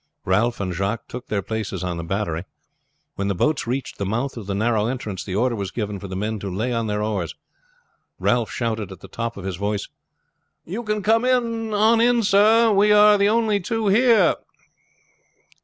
Ralph and Jacques took their places on the battery. When the boats reached the mouth of the narrow entrance the order was given for the men to lay on their oars. Ralph shouted at the top of his voice: "You can come on, sir! We are the only two here!"